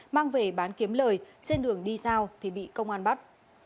mang về bán kiếm lời trên đường đi giao thì bị công an bắt